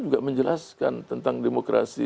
juga menjelaskan tentang demokrasi